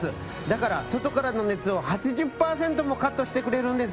だから外からの熱を８０％もカットしてくれるんです！